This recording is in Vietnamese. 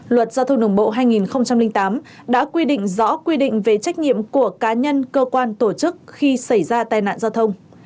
luật giao thông đường bộ hai nghìn tám đã quy định rõ quy định về trách nhiệm của cá nhân cơ quan tổ chức khi xảy ra tai nạn giao thông